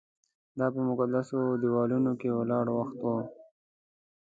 دا په مقدسو دیوالونو کې ولاړ وخت و.